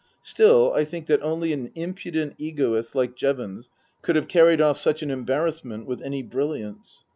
Still, I think that only an impudent egoist like Jevons could have carried off such an embarrassment with any brilliance.